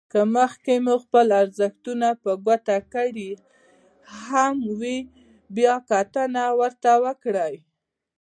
که مخکې مو خپل ارزښتونه په ګوته کړي هم وي بيا کتنه ورته وکړئ.